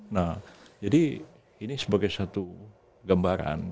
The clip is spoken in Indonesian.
nah jadi ini sebagai satu gambaran